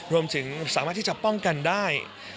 รวมถึงสามารถที่จะป้องกันได้